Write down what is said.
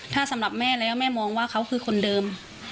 ถ้าสำหรับแม่แล้วแม่มองว่าเขาคือคนเดิม